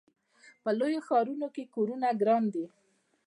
په لویو ښارونو کې کورونه ګران دي.